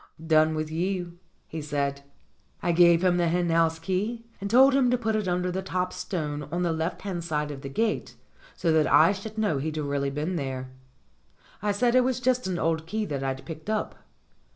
"Done with you," he said. I gave him the hen house key and told him to put it under the top stone on the left hand side of the gate, so that I should know he'd really been there. I said it was just an old key that I'd picked up.